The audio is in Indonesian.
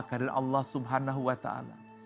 kari allah subhanahu wa ta'ala